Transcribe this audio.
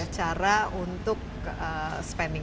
cara untuk spending